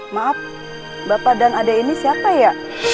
maaf bapak dan adek ini siapa ya